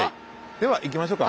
では行きましょうか。